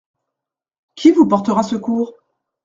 Qui vous portera secours ?